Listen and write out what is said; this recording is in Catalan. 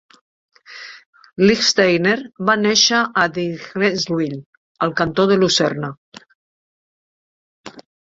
Lichtsteiner va néixer a Adligenswil, al cantó de Lucerna.